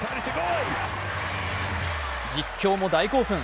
実況も大興奮。